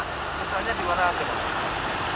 rusaknya dimana aja pak